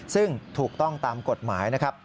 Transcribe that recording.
ซึ่งถูกต้องตามกฎหมาย